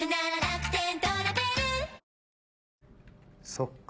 そっか。